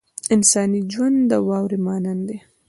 انساني ژوند د واورې مانند دی.